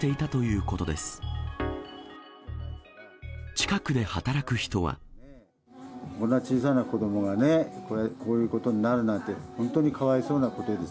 こんな小さな子どもがね、こういうことになるなんて、本当にかわいそうなことです。